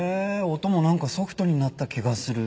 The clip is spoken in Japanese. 音もなんかソフトになった気がする。